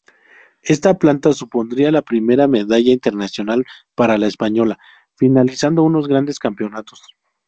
Esta plata supondría la primera medalla internacional para la española, finalizando unos grandes campeonatos.